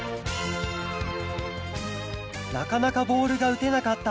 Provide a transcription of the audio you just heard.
なかなかボールがうてなかった